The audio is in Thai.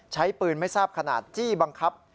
ใช้ปืนไม่ทราบขนาดจี้บังคับ